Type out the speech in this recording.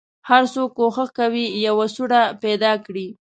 هر څوک کوښښ کوي یوه سوړه پیدا کړي.